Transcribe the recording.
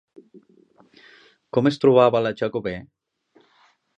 Com es trobava la Jacobè?